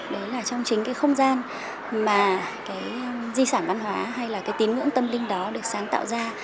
đấy là trong chính cái không gian mà cái di sản văn hóa hay là cái tín ngưỡng tâm linh đó được sáng tạo ra